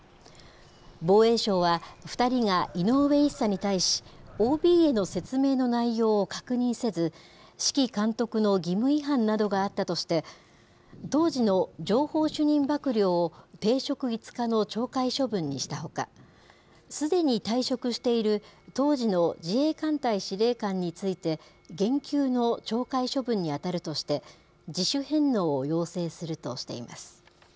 防衛省は、２人が井上１佐に対し、ＯＢへの説明の内容を確認せず、指揮監督の義務違反などがあったとして、当時の情報主任幕僚を停職５日の懲戒処分にしたほか、すでに退職している当時の自衛艦隊司令官について、減給の懲戒処分に当たるとして、自主返納を要請するとしています。